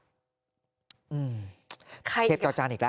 ข้าอีกข้าเทพกาวจานอีกละ